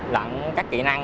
lẫn các kỹ năng